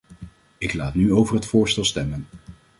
Ik laat nu over het voorstel stemmen.